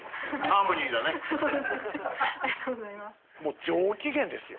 もう上機嫌ですよ